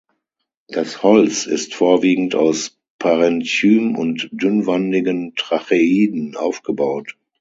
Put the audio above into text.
Das Holz ist vorwiegend aus Parenchym und dünnwandigen Tracheiden aufgebaut.